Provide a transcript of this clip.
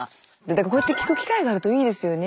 だからこうやって聞く機会があるといいですよね。